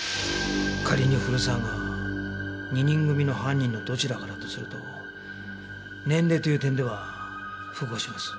仮に古沢が２人組の犯人のどちらかだとすると年齢という点では符合します。